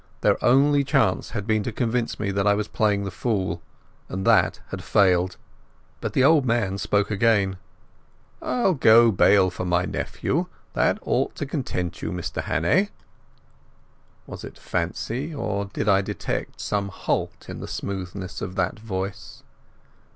Their only chance had been to convince me that I was playing the fool, and that had failed. But the old man spoke again. "I'll go bail for my nephew. That ought to content you, Mr Hannay." Was it fancy, or did I detect some halt in the smoothness of that voice?